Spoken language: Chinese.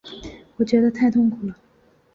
我觉得太痛苦了